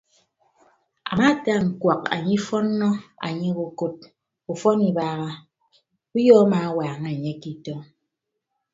Amaata ñkuak anye ifọnnọ anyeghe ukod ufọn ibagha uyo amaawaaña anye ke itọñ.